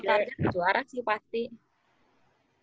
kalau penghargaan pribadi gak sih